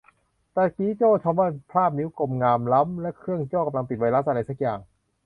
ตะกี้โจ้ชมว่าภาพนิ้วกลมงามล้ำ และเครื่องโจ้กำลังติดไวรัสอะไรสักอย่าง